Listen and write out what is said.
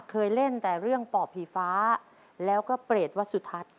เคยเล่นแต่เรื่องป่อผีฟ้าแล้วก็เปรตวัสสุทัศน์